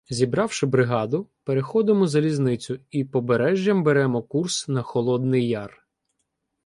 Зібравши бригаду, переходимо залізницю і Побережжям беремо курс на Холодний Яр.